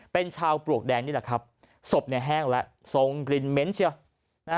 เป็นชาวปลวกแดงนี่แหละครับศพเนี่ยแห้งแล้วทรงกลิ่นเหม็นเชียวนะฮะ